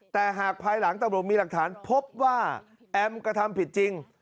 แต่หากภายหลังตำรวจมีหลักฐานพบว่าแอมกระทำผิดจริง